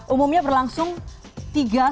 umumnya berlangsung tiga sampai dengan lima tahun